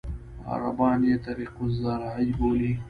عربان یې طریق الزراعي بولي.